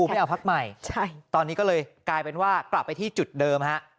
ไม่เอาพักใหม่ตอนนี้ก็เลยกลายเป็นว่ากลับไปที่จุดเดิมฮะ